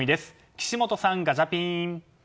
岸本さん、ガチャピン！